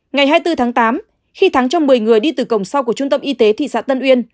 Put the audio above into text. ngày hai mươi bốn tháng tám khi thắng cho một mươi người đi từ cổng sau của trung tâm y tế thị xã tân uyên